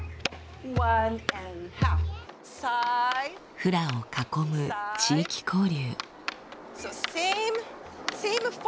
フラを囲む地域交流。